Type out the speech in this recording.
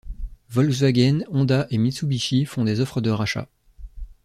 Volkswagen, Honda et Mitsubishi font des offres de rachat.